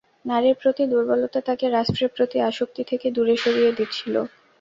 নারীর প্রতি দুর্বলতা তাঁকে রাষ্ট্রের প্রতি আসক্তি থেকে দূরে সরিয়ে দিচ্ছিল।